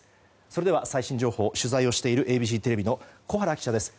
それでは最新情報取材をしているＡＢＣテレビの小原記者です。